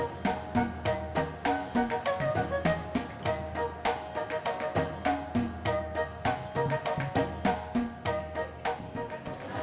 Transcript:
dari kantor peran